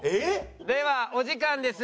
ではお時間です。